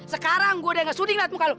sekarang gua udah ngesuding liat muka lu